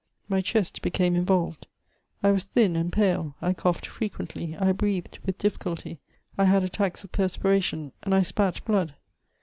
My chest became involved; I was thin and pale, I coughed frequently, I breathed with difficulty; I had attacks of perspiration and I spat blood.